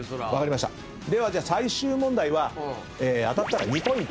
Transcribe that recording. では最終問題は当たったら２ポイント。